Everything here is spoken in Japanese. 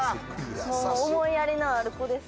思いやりのある子です。